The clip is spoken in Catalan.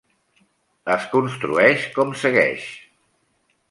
Es construeix com segueix.